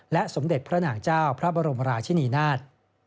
สมเด็จพระนางเจ้าพระบรมราชินีนาฏ